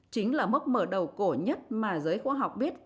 chính là mốc mở đầu cổ nhất mà giới khoa học biết